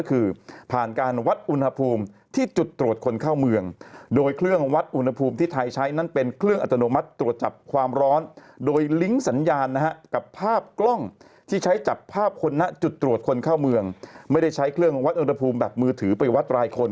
เข้าเมืองไม่ได้ใช้เครื่องวัดอุณหภูมิแบบมือถือไปวัดรายคน